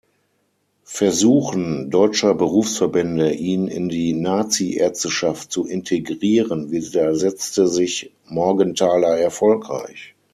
Versuchen deutscher Berufsverbände, ihn in die Nazi-Ärzteschaft zu integrieren, widersetzte sich Morgenthaler erfolgreich.